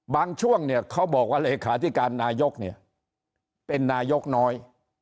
ช่วงเนี่ยเขาบอกว่าเลขาธิการนายกเนี่ยเป็นนายกน้อย